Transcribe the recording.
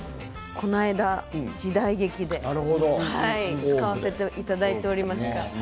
この間時代劇で使わせていただいておりました。